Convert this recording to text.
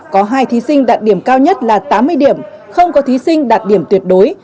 có hai thí sinh đạt điểm cao nhất là tám mươi điểm không có thí sinh đạt điểm tuyệt đối